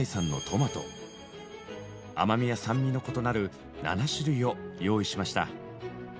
甘みや酸味の異なる７種類を用意しました。